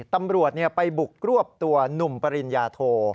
ตำรวจไปบุกรวบตัวหนุ่มปริญญาโท